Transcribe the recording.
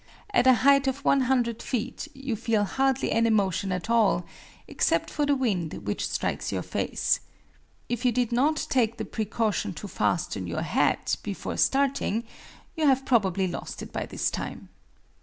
At a height of 100 feet you feel hardly any motion at all, except for the wind which strikes your face. If you did not take the precaution to fasten your hat before starting, you have probably lost it by this time.